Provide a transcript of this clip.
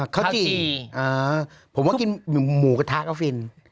ข้าวจี่ผมว่ากินหมูกระทะก็ฟิน